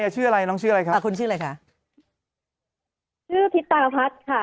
จำได้ไหม